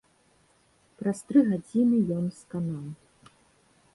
Праз тры гадзіны ён сканаў.